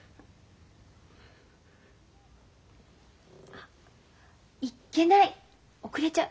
あいっけない遅れちゃう。